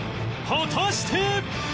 果たして？